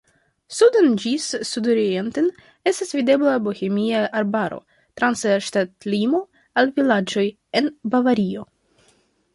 Suden ĝis sudorienten estas videbla Bohemia arbaro, trans ŝtatlimo al vilaĝoj en Bavario.